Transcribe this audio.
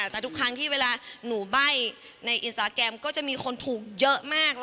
แต่ทุกครั้งที่เวลาหนูใบ้ในอินสตาแกรมก็จะมีคนถูกเยอะมาก